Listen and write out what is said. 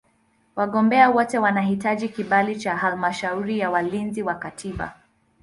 Wagombea wote wanahitaji kibali cha Halmashauri ya Walinzi wa Katiba.